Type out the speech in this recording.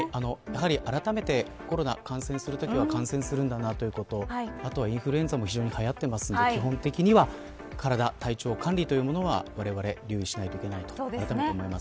あらためてコロナに感染するときは感染するんだなということをあとは、インフルエンザもはやっているので基本的には体調管理というものは留意しないととあらためて思います。